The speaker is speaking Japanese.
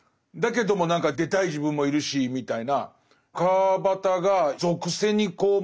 だけども何か出たい自分もいるしみたいな。